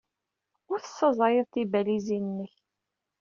Ur tessaẓayed tibalizin-nnek.